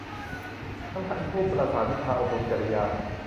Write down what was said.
ทั้งท่านผู้ประสาทวิชา อบรมจริยา